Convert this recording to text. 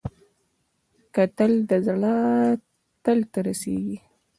کتل د زړه تل ته رسېږي